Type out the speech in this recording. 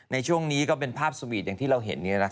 ในช่วงนี้เป็นภาพสวีทที่เราเห็นนี่แหละค่ะ